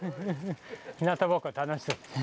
ひなたぼっこ楽しそうですね。